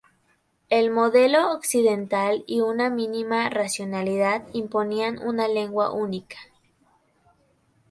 El modelo occidental y una mínima racionalidad imponían una lengua única.